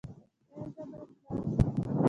ایا زه باید پلار شم؟